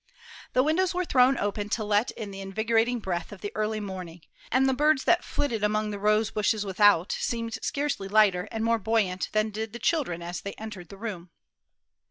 The windows were thrown open to let in the invigorating breath of the early morning, and the birds that flitted among the rose bushes without seemed scarcely lighter and more buoyant than did the children as they entered the room.